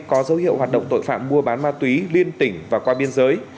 có dấu hiệu hoạt động tội phạm mua bán ma túy liên tỉnh và qua biên giới